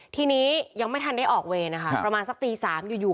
ทีนี้ยังไม่ทันได้ออกเวรนะคะประมาณสักตี๓อยู่